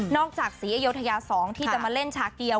จากศรีอยุธยา๒ที่จะมาเล่นฉากเดียว